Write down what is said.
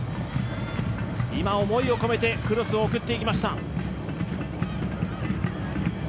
今、思いを込めてクロスを送っていきました。